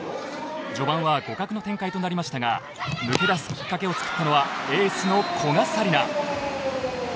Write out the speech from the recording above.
序盤は互角の展開となりましたが抜け出すきっかけを作ったのはエースの古賀紗理那。